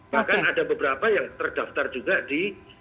bahkan ada beberapa yang terdaftar juga di